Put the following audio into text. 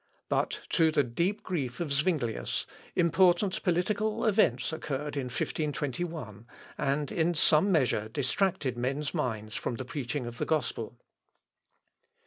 But, to the deep grief of Zuinglius, important political events occurred in 1521, and in some measure distracted men's minds from the preaching of the gospel.